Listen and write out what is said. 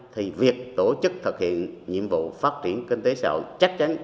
thì việc tổ chức thực hiện nhiệm vụ phát triển kinh tế xã hội